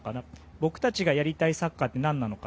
僕たちがやりたいサッカーって何なのか。